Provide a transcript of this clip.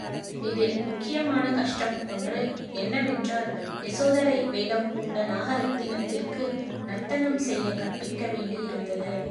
இதில் முக்கியமான கஷ்டம் ஒன்று என்னவென்றால், யசோதரை வேடம் பூண்ட நாகரத்தினத்திற்கு நர்த்தனம் செய்யக் கற்பிக்க வேண்டியிருந்தது.